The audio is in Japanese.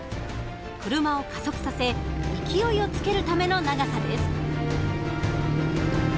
車を加速させ勢いをつけるための長さです。